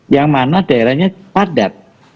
yang mana daerahnya padat